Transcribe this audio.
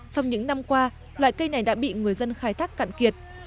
trong những năm qua loại cây này đã bị người dân khai thác cạn kiệt